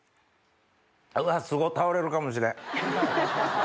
うわすごっ倒れるかもしれん。